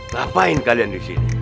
ngapain kalian di sini